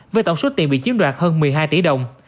với tổng số tiền bị chiếm đoạt hơn một mươi hai tỷ đồng